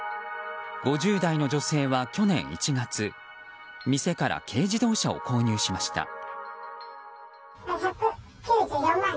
５０代の女性は去年１月店から軽自動車を購入しました。